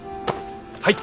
はい。